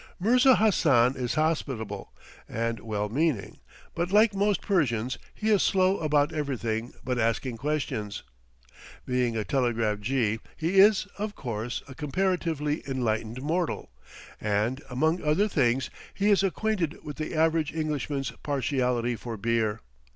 Mirza Hassan is hospitable and well meaning, but, like most Persians, he is slow about everything but asking questions. Being a telegraph jee, he is, of course, a comparatively enlightened mortal, and, among other things, he is acquainted with the average Englishman's partiality for beer.